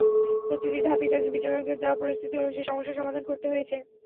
প্রতিটি ধাপেই তাঁদের বিচারকদের দেওয়া পরিস্থিতি অনুযায়ী সমস্যা সমাধান করতে হয়েছে।